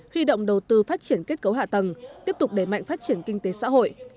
huy động đầu tư phát triển kết cấu hạ tầng tiếp tục đẩy mạnh phát triển kinh tế xã hội